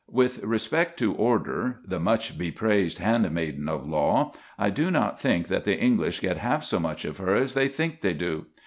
With respect to order, the much bepraised handmaiden of law, I do not think that the English get half so much of her as they think they do.